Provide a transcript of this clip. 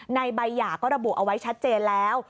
ในใบหย่าก็ระบุเอาไว้ชัดเจนแล้ว